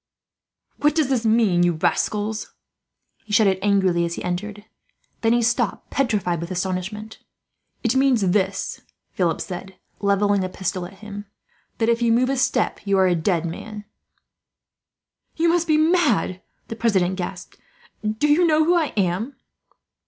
"What does this mean, you rascals?" he shouted angrily, as he entered. Then he stopped, petrified with astonishment. [Illustration: If you move a step, you are a dead man.] "It means this," Philip said, levelling a pistol at him, "that if you move a step, you are a dead man." "You must be mad," the president gasped. "Do you know who I am?"